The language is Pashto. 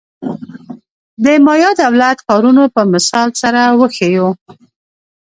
د مایا دولت-ښارونو په مثال سره وښیو.